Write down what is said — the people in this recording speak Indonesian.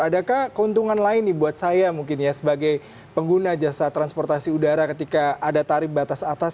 adakah keuntungan lain nih buat saya mungkin ya sebagai pengguna jasa transportasi udara ketika ada tarif batas atas